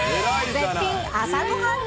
絶品朝ごはんに。